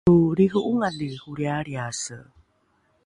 lo lriho’ongali holrialriase